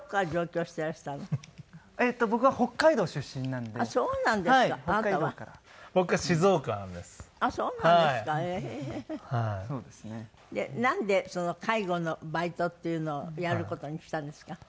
なんで介護のバイトっていうのをやる事にしたんですか？